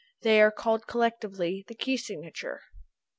They are called collectively the key signature.